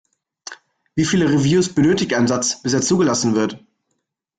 Wie viele Reviews benötigt ein Satz, bis er zugelassen wird?